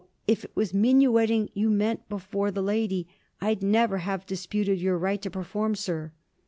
if it was minuetting you meant before the lady, I'd never have disputed your right to perform, sir.'